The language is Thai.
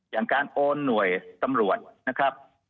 อย่างการโอนหน่วยตำรวจนะครับ